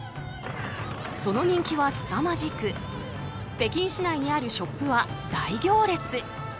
その人気はすさまじく北京市内にあるショップは大行列。